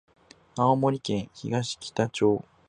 青森県東北町